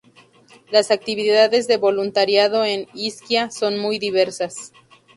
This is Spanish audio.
Las actividades de voluntariado en Isquia son muy diversas.